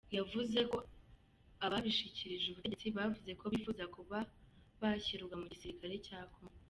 Yavuze ko aba bishyikirije ubutegetsi bavuze ko bifuza kuba bashyirwa mu gisirikare cya Kongo.